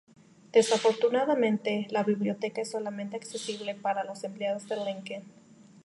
Desafortunadamente, la biblioteca es solamente accesible para los empleados de Lincoln.